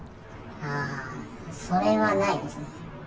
あー、それはないですね。